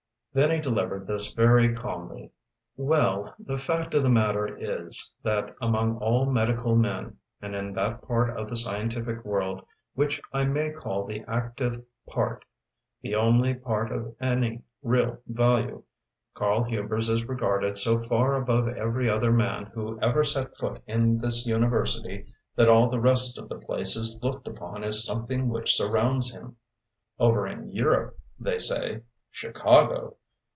Then he delivered this very calmly: "Well, the fact of the matter is, that among all medical men, and in that part of the scientific world which I may call the active part the only part of any real value Karl Hubers is regarded so far above every other man who ever set foot in this university that all the rest of the place is looked upon as something which surrounds him. Over in Europe, they say Chicago?